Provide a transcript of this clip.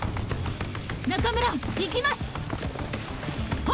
中村行きますっ！